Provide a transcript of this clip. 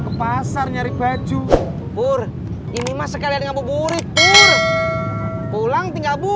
ke pasar nyari baju pur ini mah sekalian ngamuk burik pur pulang tinggal buka